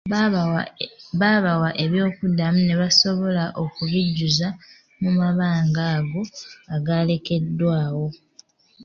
Babawa ebyokuddamu ne basobola okubijjuza mu mabanga ago agalekeddwawo.